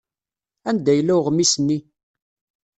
Anda yella uɣmis-nni?